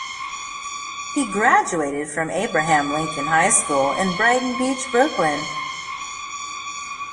He graduated from Abraham Lincoln High School in Brighton Beach, Brooklyn.